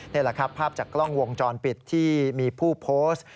นี่แหละครับภาพจากกล้องวงจรปิดที่มีผู้โพสต์